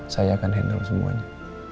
saya akan handle semuanya